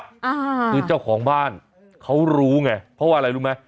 อ่าคือเจ้าของบ้านเขารู้ไงเพราะว่าอะไรรู้ไหม